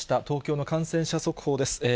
東京の感染者速報です。